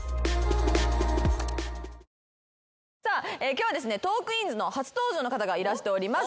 今日はですね『トークィーンズ』の初登場の方がいらしております。